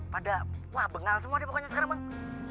pada wah bengal semua deh pokoknya sekarang bang